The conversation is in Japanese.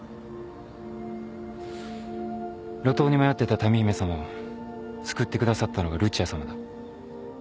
路頭に迷っていた多美姫さまを救ってくださったのがルチアさまだ。